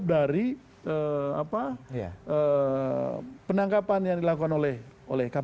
kemudian terungkap dari penangkapan yang dilakukan oleh kpk